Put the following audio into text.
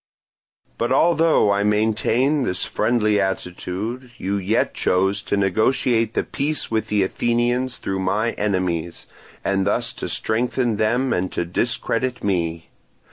But although I maintained this friendly attitude, you yet chose to negotiate the peace with the Athenians through my enemies, and thus to strengthen them and to discredit me.